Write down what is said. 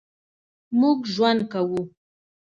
مونږ ژوند کوو